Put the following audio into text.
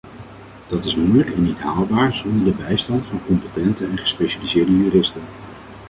Dat is moeilijk en niet haalbaar zonder de bijstand van competente en gespecialiseerde juristen.